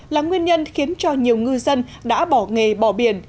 là nguyên nhân khiến cho nhiều ngư dân đã bỏ nghề bỏ biển